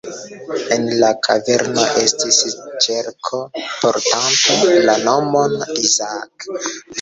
En la kaverno estis ĉerko portanta la nomon "Isaak".